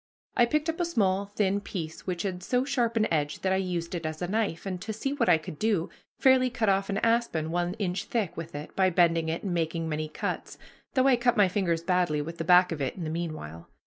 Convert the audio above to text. I picked up a small thin piece which had so sharp an edge that I used it as a knife, and, to see what I could do, fairly cut off an aspen one inch thick with it, by bending it and making many cuts; though I cut my fingers badly with the back of it in the meanwhile.